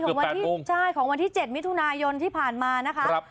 วันที่ใช่ของวันที่๗มิถุนายนที่ผ่านมานะคะ